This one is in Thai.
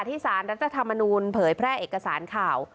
สารรัฐธรรมนูลเผยแพร่เอกสารข่าว